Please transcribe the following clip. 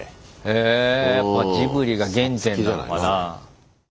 えやっぱジブリが原点なのかな。